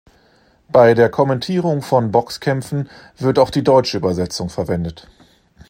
Bei der Kommentierung von Boxkämpfen wird auch die deutsche Übersetzung verwendet.